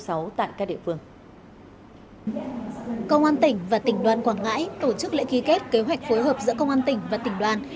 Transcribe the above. tại tỉnh quảng ngãi công an tỉnh và tỉnh đoàn quảng ngãi tổ chức lễ ký kết kế hoạch phối hợp giữa công an tỉnh và tỉnh đoàn